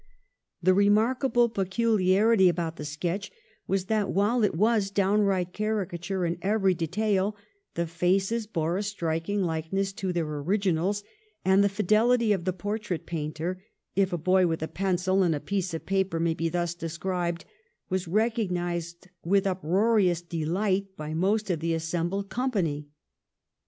The remarkable peculiarity about the sketch was that while it was downright caricature in every detail, the faces bore a striking likeness to their originals, and the fidelity of the portrait painter, if a boy with a pencil and a piece of paper may be thus described, was recognised with uproarious deUght by most of the assembled company.